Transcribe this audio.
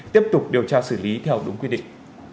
tiếp tục điều tra xử lý theo đúng quy định